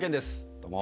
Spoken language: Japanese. どうも。